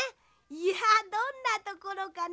いやどんなところかな？